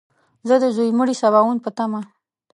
زه د ځوی مړي سباوون په تمه !